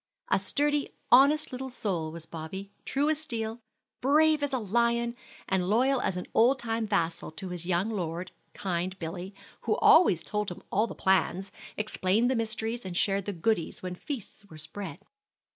A sturdy, honest little soul was Bobby, true as steel, brave as a lion, and loyal as an old time vassal to his young lord, kind Billy, who always told him all the plans, explained the mysteries, and shared the goodies when feasts were spread.